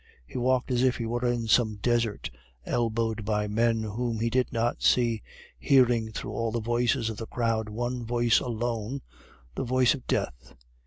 He walked as if he were in some desert, elbowed by men whom he did not see, hearing through all the voices of the crowd one voice alone the voice of Death.